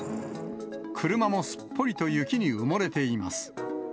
車もすっぽりと雪に埋もれています。